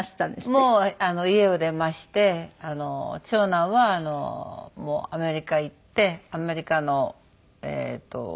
もう家を出まして長男はアメリカ行ってアメリカのえっと会社？